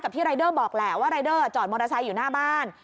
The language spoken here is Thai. กับที่รายเดอร์บอกแล้วว่ารายเดอร์จอดมรชัยอยู่หน้าบ้าน